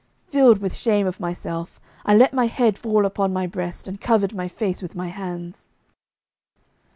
Filled with shame of myself, I let my head fall upon my breast and covered my face with my hands.